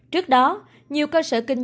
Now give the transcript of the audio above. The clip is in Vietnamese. trước đó nhiều cơ sở kinh doanh